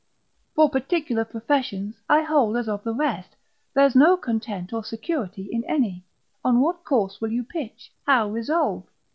For particular professions, I hold as of the rest, there's no content or security in any; on what course will you pitch, how resolve?